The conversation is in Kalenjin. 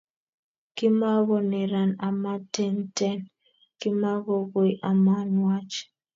Kimako nerat ama tenten kimako koi ama nwach